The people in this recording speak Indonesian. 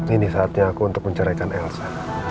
ini saatnya aku untuk menceraikan elsa